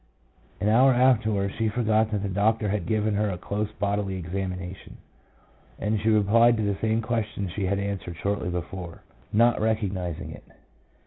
An hour after wards, she forgot that the doctor had given her a close bodily examination, and she replied to the same question she had answered shortly before, 1 not recognizing it.